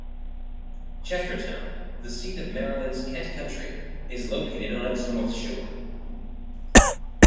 Chestertown, the seat of Maryland's Kent County, is located on its north shore.